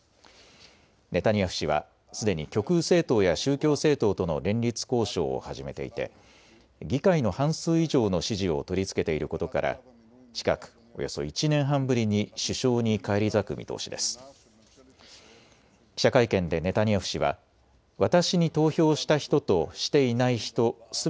ネタニヤフ氏はすでに極右政党や宗教政党との連立交渉を始めていて議会の半数以上の支持を取りつけていることから近くおよそ１年半ぶりに首相に返り咲く見通しです。